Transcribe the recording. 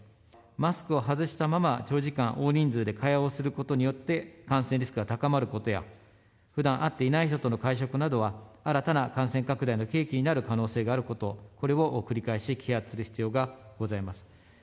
マスクを外したまま長時間、大人数で会話をすることによって、感染リスクが高まることや、ふだん会っていない人との会食などは、新たな感染拡大の契機になる可能性があること、これを繰り返し啓発する必要がございます。